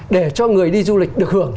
để cho người đi du lịch được hưởng